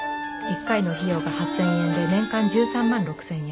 １回の費用が８０００円で年間１３万６０００円